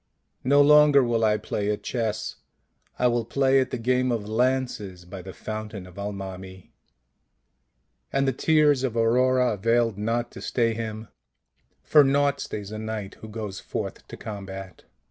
" No longer will I play at chess; I will play at the game of lances by the fountain of Al mami." And the tears of Aurora availed not to stay him; for naught stays a knight who goes forth to combat.